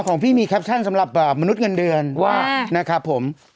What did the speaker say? ของพี่มีแคปชั่นสำหรับมนุษย์เงินเดือนว่านะครับผม